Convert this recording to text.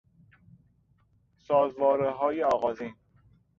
سازوارههای آغازین